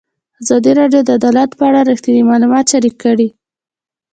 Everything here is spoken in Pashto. ازادي راډیو د عدالت په اړه رښتیني معلومات شریک کړي.